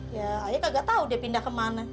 ya ayo kagak tahu dia pindah kemana